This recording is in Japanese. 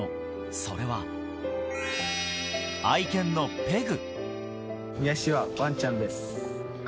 それは愛犬のペグ。